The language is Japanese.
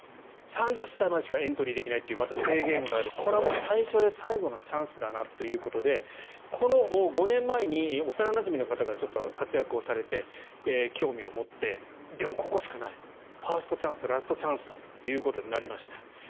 ３０歳までしかエントリーできないというまた制限があるこれは最初で最後のチャンスだなということでこの５年前に幼なじみの方が活躍されて興味を持って、でもここしかないファーストチャンスラストチャンスだということになりました。